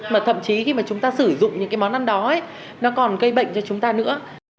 mà thậm chí khi mà chúng ta sử dụng những cái món ăn đó ấy nó còn gây bệnh cho chúng ta nữa